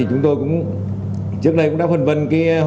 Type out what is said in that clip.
chúng tôi cũng trước đây đã phân vân